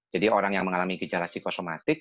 jadi orang yang mengalami gejala psikosomatik